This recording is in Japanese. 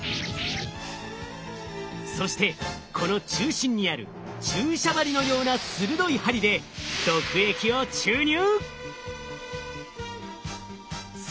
そしてこの中心にある注射針のような鋭い針で毒液を注入！